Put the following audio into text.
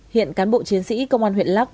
hiện cán bộ chiến sĩ công an huyện lắc